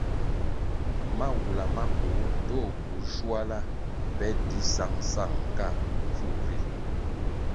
Mawula makugu, ndtoh burʼ shuala pe di sangsang nga nvur ri,